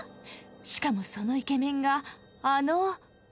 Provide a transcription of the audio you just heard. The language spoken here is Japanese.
しかもそのイケメンがあの。